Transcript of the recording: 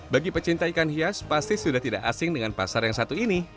bagi pecinta ikan hias pasti sudah tidak asing dengan pasar yang satu ini